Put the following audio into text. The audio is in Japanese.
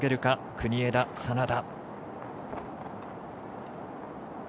国枝、眞田。